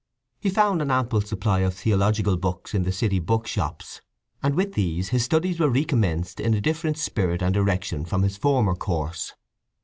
He found an ample supply of theological books in the city book shops, and with these his studies were recommenced in a different spirit and direction from his former course.